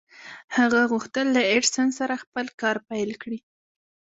هغه غوښتل له ايډېسن سره خپل کار پيل کړي.